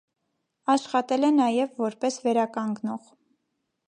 Աշխատել է նաև որպես վերականգնող։